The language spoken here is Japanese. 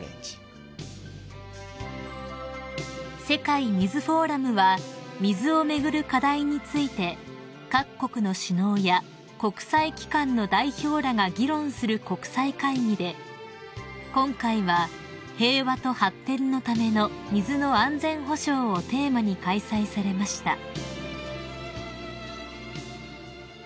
［世界水フォーラムは水を巡る課題について各国の首脳や国際機関の代表らが議論する国際会議で今回は「平和と発展のための水の安全保障」をテーマに開催されました］